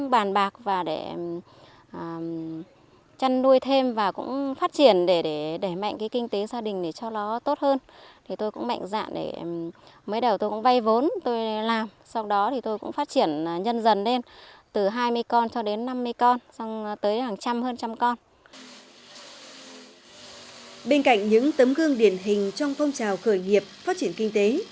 bên cạnh những tấm gương điển hình trong phong trào khởi nghiệp phát triển kinh tế